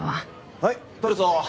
はい撮るぞ！